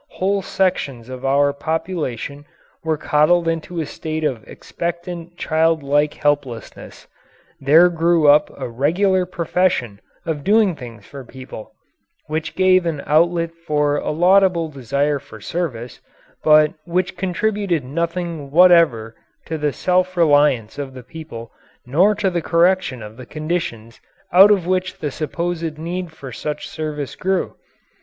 Whole sections of our population were coddled into a state of expectant, child like helplessness. There grew up a regular profession of doing things for people, which gave an outlet for a laudable desire for service, but which contributed nothing whatever to the self reliance of the people nor to the correction of the conditions out of which the supposed need for such service grew.